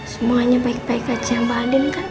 semuanya baik baik aja mbak adin kan